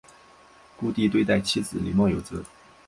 顾悌对待妻子礼貌有则。